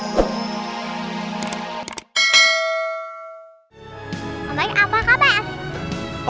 om baik apa kabar